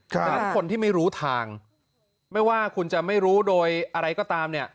ฉะนั้นคนที่ไม่รู้ทางไม่ว่าคุณจะไม่รู้โดยอะไรก็ตามเนี่ย